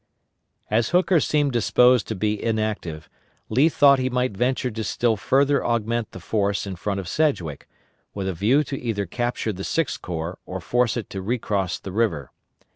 As Hooker seemed disposed to be inactive, Lee thought he might venture to still further augment the force in front of Sedgwick, with a view to either capture the Sixth Corps or force it to recross the river.